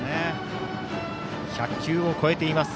１００球を超えています